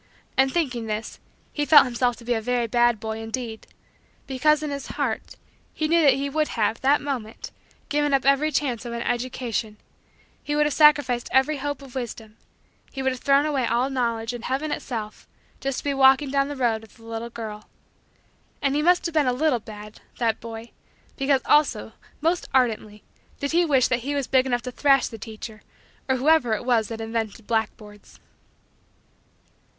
And, thinking this, he felt himself to be a very bad boy, indeed; because, in his heart, he knew that he would have, that moment, given up every chance of an education; he would have sacrificed every hope of wisdom; he would have thrown away all Knowledge and heaven itself just to be walking down the road with the little girl. And he must have been a little had that boy because also, most ardently, did he wish that he was big enough to thrash the teacher or whoever it was that invented blackboards.